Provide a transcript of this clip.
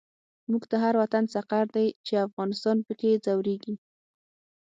موږ ته هر وطن سقر دی، چی افغان په کی ځوريږی